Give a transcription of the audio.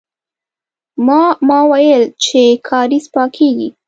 ما، ما ويل چې کارېز پاکيږي.